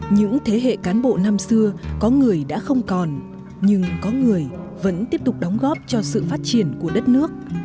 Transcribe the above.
những thế hệ cán bộ năm xưa có người đã không còn nhưng có người vẫn tiếp tục đóng góp cho sự phát triển của đất nước